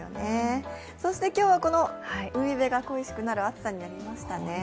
今日はこの海辺が恋しくなる暑さになりましたね。